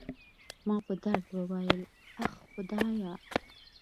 ما په درد وویل: اخ، خدایه.